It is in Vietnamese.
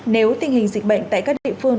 nếu tình hình dịch bệnh tại các địa phương